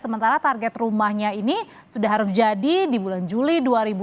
sementara target rumahnya ini sudah harus jadi di bulan juli dua ribu dua puluh